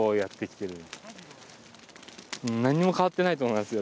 なんにも変わってないと思いますよ